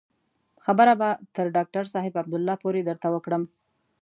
خبره به تر ډاکتر صاحب عبدالله پورې درته وکړم.